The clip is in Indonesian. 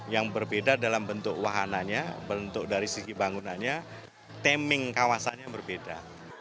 yang berbeda dalam bentuk wahananya bentuk dari sisi bangunannya timing kawasannya berbeda